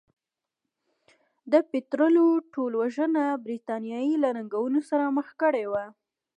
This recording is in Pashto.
د پیټرلو ټولوژنه برېټانیا یې له ننګونو سره مخ کړې وه.